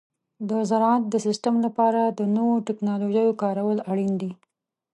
د زراعت د سیستم لپاره د نوو تکنالوژیو کارول اړین دي.